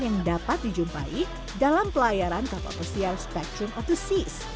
yang dapat dijumpai dalam pelayaran kapal pesiar spectrum of the seas